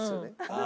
ああ